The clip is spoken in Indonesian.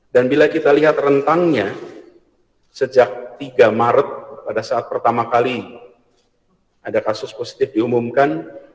dan bila kita lihat rentangnya sejak tiga maret pada saat pertama kali ada kasus positif diumumkan